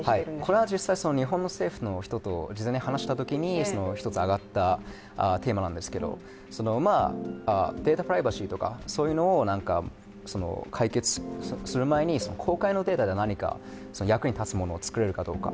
これは実際、日本政府の人と事前に話したときに１つ挙がったテーマなんですけどデータプライバシーというのを解決する前に公開のデータで何か役に立つものを作れるかどうか。